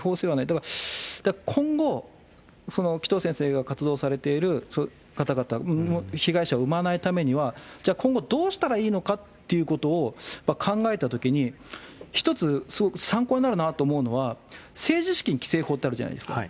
だから今後、紀藤先生が活動されている方々、被害者を生まないためには、じゃあ今後どうしたらいいのかということを考えたときに、１つ、参考になるなと思うのは、政治資金規正法ってあるじゃないですか。